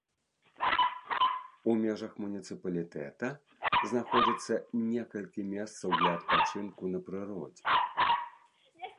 У межах муніцыпалітэта знаходзіцца некалькі месцаў для адпачынку на прыродзе.